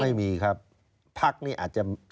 ไม่มีครับพักนี้อาจจะ